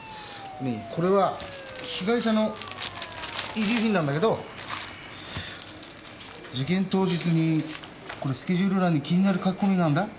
これは被害者の遺留品なんだけど事件当日にスケジュール欄に気になる書き込みがあるんだ。